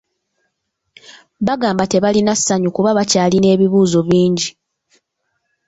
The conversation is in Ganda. Bagamba tebalina ssanyu kuba bakyalina ebibuuzo bingi.